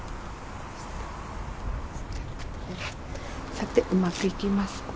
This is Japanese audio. さてうまくいきますか？